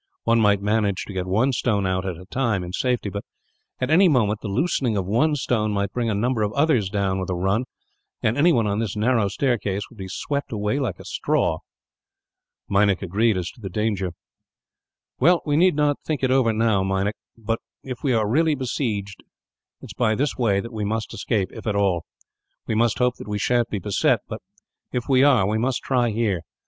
One might manage to get one stone out, at a time, in safety. But at any moment, the loosening of one stone might bring a number of others down, with a run; and anyone on this narrow staircase would be swept away like a straw." Meinik agreed as to the danger. "Well, we need not think it over now, Meinik; but if we are really besieged, it is by this way that we must escape, if at all. We must hope that we sha'n't be beset; but if we are, we must try here.